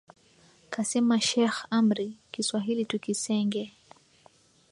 Kasema sheikh Amri, kiswahili tukisenge,